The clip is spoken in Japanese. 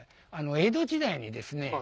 江戸時代にですね